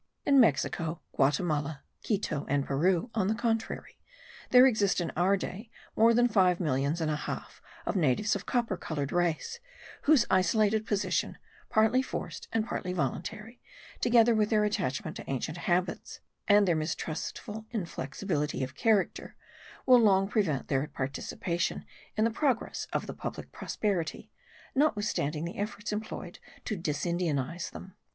In Mexico, Guatimala, Quito, and Peru, on the contrary, there exist in our day more than five millions and a half of natives of copper coloured race, whose isolated position, partly forced and partly voluntary, together with their attachment to ancient habits, and their mistrustful inflexibility of character, will long prevent their participation in the progress of the public prosperity, notwithstanding the efforts employed to disindianize them.